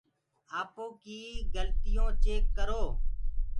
آپو ڪيٚ گلتٚيونٚ چيڪ ڪرو۔